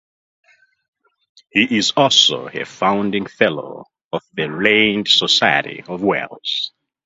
He is also a Founding Fellow of the Learned Society of Wales.